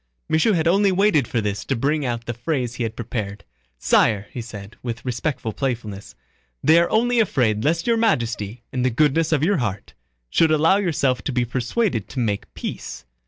Michaud had only waited for this to bring out the phrase he had prepared. "Sire," he said, with respectful playfulness, "they are only afraid lest Your Majesty, in the goodness of your heart, should allow yourself to be persuaded to make peace.